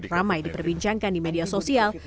ramai diperbincangkan di media sosial